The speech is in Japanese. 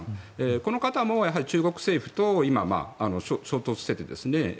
この方も中国政府と今、衝突していてですね